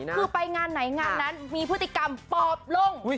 คือไปงานไหนงานนั้นมีพฤติกรรมปอบลง